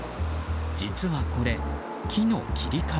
実はこれ、木の切り株。